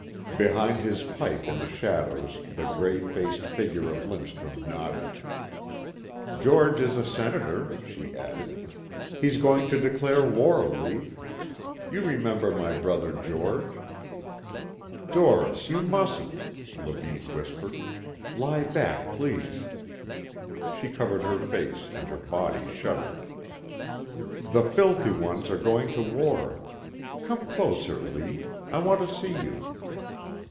Behind his pipe in the shadows the grey faced figure of Lindstrum nodded. "George is a Senator," she added. "He's going to declare war, Lief. You remember my brother George." "Doris, you mustn't," Levine whispered. "Lie back, please." She covered her face and her body shuddered. "The filthy ones are going to war. Come closer, Lief. I want to see you."